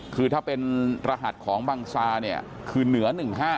คือถ้าเป็นรหัสของบังซาเนี่ยคือเหนือ๑๕